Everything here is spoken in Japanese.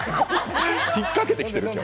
引っかけてきてます？